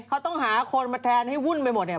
เขาต้องหาคนมาแทนให้วุ่นไปเมื่อไขมัน